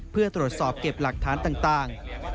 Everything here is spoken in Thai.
เพื่อตรวจสอบเก็บหลักฐานต่าง